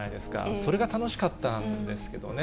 それが楽しかったんですけどね。